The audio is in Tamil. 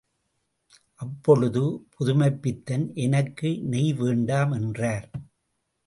அப்பொழுது புதுமைப்பித்தன், எனக்கு நெய் வேண்டாம் என்றார்.